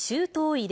入れ！